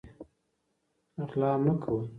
غلا مه کوئ